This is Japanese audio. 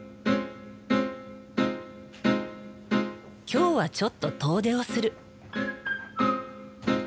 今日はちょっと遠出をする。